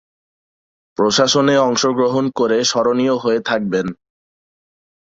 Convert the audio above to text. প্রশাসনে অংশগ্রহণ করে স্মরণীয় হয়ে থাকবেন।